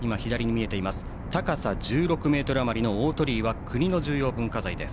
高さ１６ｍあまりの大鳥居は国の重要文化財です。